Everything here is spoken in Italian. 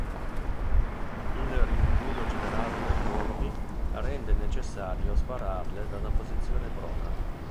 Il rinculo generato dai colpi rende necessario spararle da posizione prona.